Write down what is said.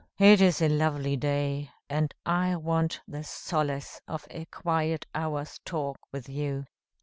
"It is a lovely day, and I want the solace of a quiet hour's talk with you."